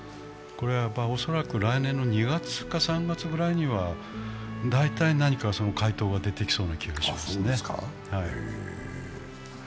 恐らく来年２月か３月くらいには大体何か回答が出てきそうな気がしますね。